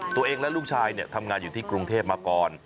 ตัวเองและลูกชายทำงานอยู่ที่กรุงเทพมาก่อน